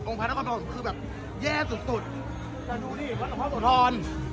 องค์พันธกรรมคือแบบแย่สุดสุดแต่ดูนี่วันข้อสุทธรณ์